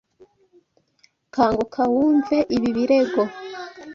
Kanguka wumve ibi birego